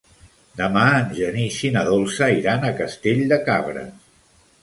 Demà en Genís i na Dolça iran a Castell de Cabres.